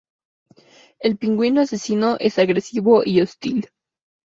El pingüino asesino es agresivo y hostil.